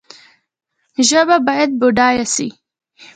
ژبه باید بډایه سي